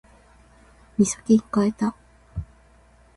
みそきん買えた